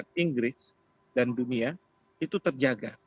masyarakat inggris dan dunia itu terjaga